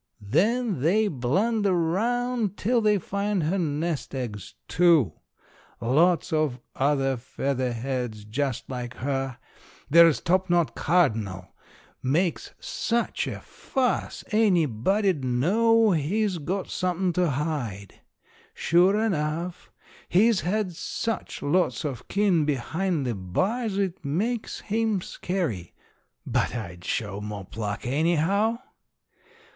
Then they blunder round till they find her nest eggs, too! Lots of other feather heads just like her! There's Topknot Cardnal makes such a fuss anybody'd know he's got something to hide. Sure enough, he's had such lots of kin behind the bars it makes him scary. But I'd show more pluck, anyhow.